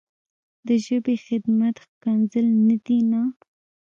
د ژبې خدمت ښکنځل نه دي نه.